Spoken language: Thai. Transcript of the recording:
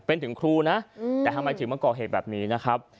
เป็นถึงครูนะแต่ทำไมถึงมาก่อเหตุแบบนี้นะครับ